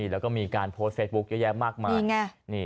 แล้วก็มีการโพสต์เฟซบุ๊คเยอะแยะมากมาย